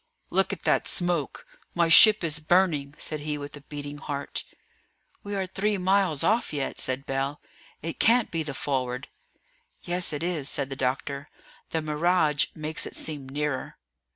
"Look at that smoke! my ship is burning," said he with a beating heart. "We are three miles off yet," said Bell; "it can't be the Forward." "Yes it is," said the doctor; "the mirage makes it seem nearer."